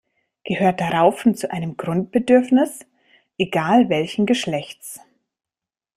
Gehört Raufen zu einem Grundbedürfnis? Egal welchen Geschlechts.